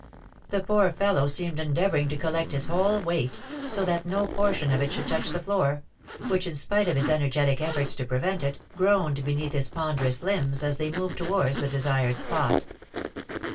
The poor fellow seemed endeavouring to collect his whole weight, so that no portion of it should touch the floor; which, in spite of his energetic efforts to prevent it, groaned beneath his ponderous limbs as they moved towards the desired spot.